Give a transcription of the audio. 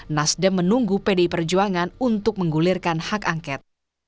nasdem menunggu pdi perjuangan untuk menggulirkan hak angket